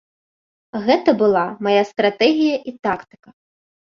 Гэта была мая стратэгія і тактыка.